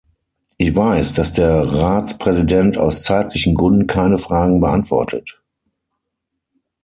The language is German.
Ich weiß, dass der Ratspräsident aus zeitlichen Gründen keine Fragen beantwortet.